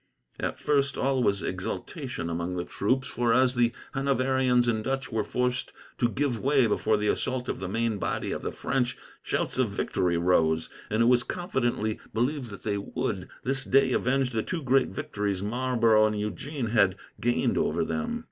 At first, all was exultation among the troops, for as the Hanoverians and Dutch were forced to give way before the assault of the main body of the French, shouts of victory rose; and it was confidently believed that they would, this day, avenge the two great victories Marlborough and Eugene had gained over them.